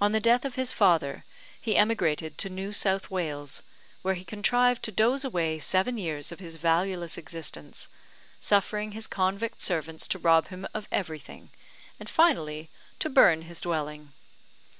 On the death of his father, he emigrated to New South Wales, where he contrived to doze away seven years of his valueless existence, suffering his convict servants to rob him of everything, and finally to burn his dwelling.